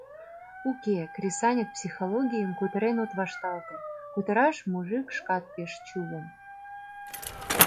Уке, кресаньык психологийым кутырен от вашталте — кутыраш мужик шкат пеш чулым.